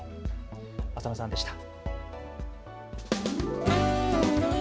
浅野さんでした。